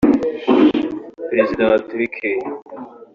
Perezida wa Turkey